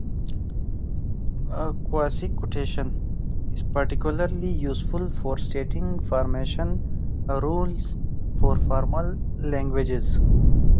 Quasi-quotation is particularly useful for stating formation rules for formal languages.